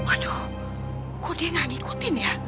aduh kok dia gak ngikutin ya